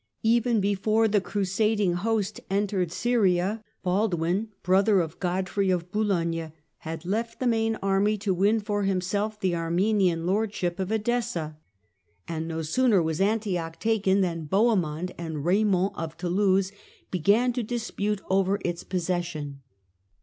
Even before the crusad ing host entered Syria, Baldwin, the brother of Godfrey of Boulogne, had left the main army, to win for himself the Armenian lordship of Edessa, and no sooner was Antioch taken than Bohemond and Eaymond of Toulouse began to dispute over its possession.